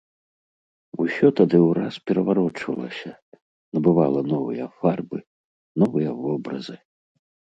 Усё тады ўраз пераварочвалася, набывала новыя фарбы, новыя вобразы.